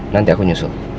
nanti aku nyusul